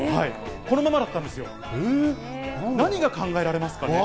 そのままだったんですよ、何が考えられますかね？